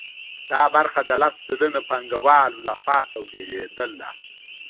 دا برخه د لس سلنه پانګوالو لخوا تولیدېدله